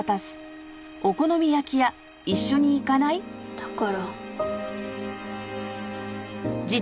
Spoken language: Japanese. だから。